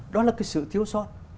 đó là cái sự thiếu sót